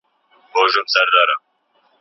موږ به تا ساتو د نورو له منګولو